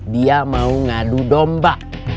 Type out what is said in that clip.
dia mau ngadu domba